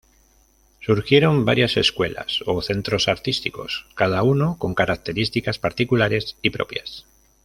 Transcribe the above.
Surgieron varias escuelas o centros artísticos, cada uno con características particulares y propias.